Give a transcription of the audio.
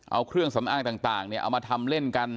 เอาเครื่องสำอางต่างเอามาทำเล่นกัน